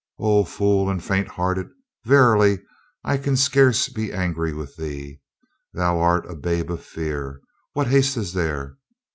"O fool and faint hearted! Verily, I can scarce be angry with thee, thou art a babe for fear. What haste is there?